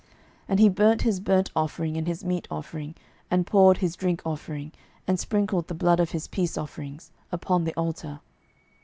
12:016:013 And he burnt his burnt offering and his meat offering, and poured his drink offering, and sprinkled the blood of his peace offerings, upon the altar.